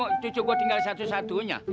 itu cukup tinggal satu satunya